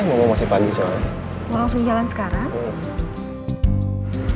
mau langsung jalan sekarang